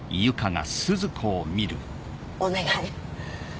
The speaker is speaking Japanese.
お願い！